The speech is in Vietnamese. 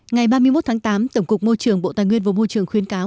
ngày ba mươi một tháng tám tổng cục môi trường bộ tài nguyên và môi trường khuyến cáo